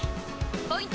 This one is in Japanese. ポイント